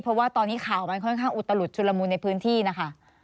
เพราะว่าตอนนี้ข่าวมันค่อนข้างอุตลุดชุลมูลในพื้นที่นะคะ